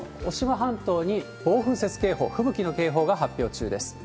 半島に暴風雪警報、吹雪の警報が発表中です。